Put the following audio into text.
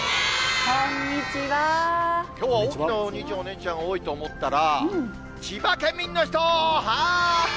きょうは大きなお兄ちゃん、お姉ちゃん、多いと思ったら、千葉県民の人、はーい。